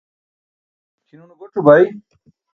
kʰin une goc̣o bai